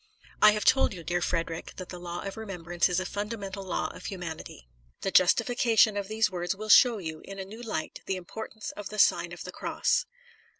I have told you, dear Frederic, that the law of remembrance is a fundamental law of humanity. The justification of these words will show you, in a new light, the importance of the Sign of the Cross.